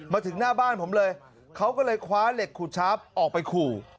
มาถึงหน้าบ้านผมเลยเขาก็เลยคว้าเหล็กขูดชาร์ฟออกไปขู่